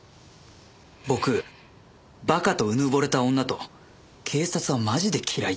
僕馬鹿とうぬぼれた女と警察はマジで嫌い。